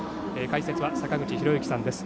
解説は坂口裕之さんです。